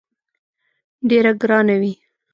ډېره ګرانه وي.